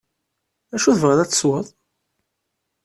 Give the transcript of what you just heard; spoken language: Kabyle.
Acu tebɣiḍ ad tesweḍ.